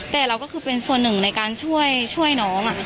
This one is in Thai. แต่เราก็คือเป็นส่วนหนึ่งในการช่วยน้อง